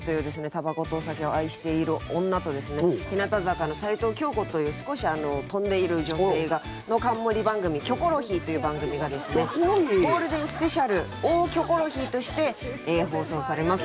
たばことお酒を愛している女と日向坂の齊藤京子という少し飛んでいる女性の冠番組「キョコロヒー」という番組がゴールデンスペシャル「大キョコロヒー」として放送されます。